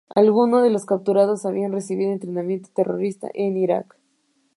Algunos de los capturados habían recibido entrenamiento terrorista en Iraq.